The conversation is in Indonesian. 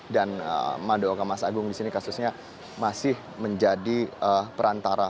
dan madaoka mas agung di sini kasusnya masih menjadi perantara